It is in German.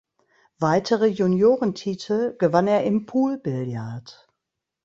Weitere Juniorentitel gewann er im Poolbillard.